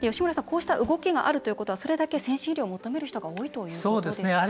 こうした動きがあるということはそれだけ先進医療を求める人が多いということですか？